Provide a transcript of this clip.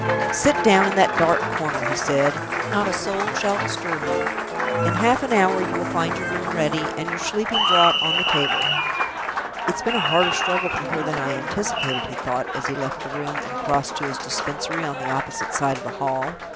"Sit down in that dark corner," he said. "Not a soul shall disturb you. In half an hour you will find your room ready, and your sleeping draught on the table." "It's been a harder struggle for her than I anticipated," he thought, as he left the room, and crossed to his Dispensary on the opposite side of the hall.